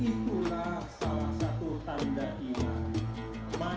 itulah salah satu tanda iman